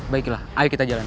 baiklah ayo kita jalankan